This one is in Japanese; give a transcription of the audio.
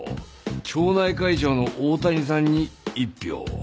町内会長の大谷さんに１票。